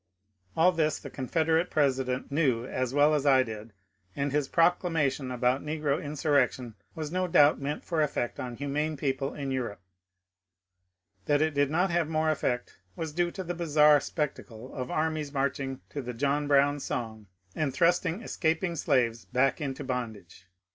All this the Confederate president knew as well as I did, and his proclamation about negro insurrection was no doubt meant for effect on humane people in Europe. That it did not have more effect was due to the bizarre specta cle of armies marching to the John Brown song and thrust ing escaping slaves back into bondage.